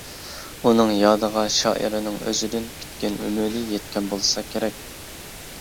ئۇنىڭ يادىغا شائىرنىڭ ئۆزىدىن كۈتكەن ئۈمىدى يەتكەن بولسا كېرەك.